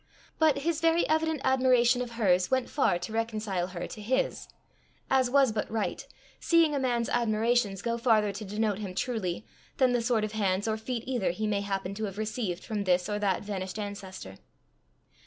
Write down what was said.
But his very evident admiration of hers, went far to reconcile her to his, as was but right, seeing a man's admirations go farther to denote him truly, than the sort of hands or feet either he may happen to have received from this or that vanished ancestor.